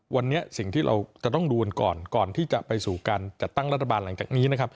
วันนี้สิ่งที่เราจะต้องดูกันก่อนก่อนที่จะไปสู่การจัดตั้งรัฐบาลหลังจากนี้นะครับ